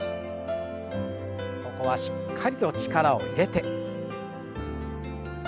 ここはしっかりと力を入れて。